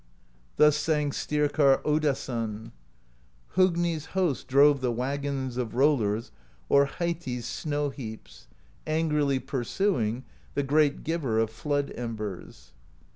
Thus sang Styrkarr Oddason : Hogni's host drove the Wagons Of Rollers o'er Heiti's Snow Heaps, Angrily pursuing The great Giver of Flood Embers.